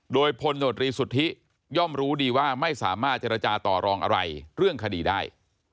โดยพลโนตรีสุทธิย่อมรู้ดีว่าไม่สามารถเจรจาต่อรองอะไรเรื่องคดีได้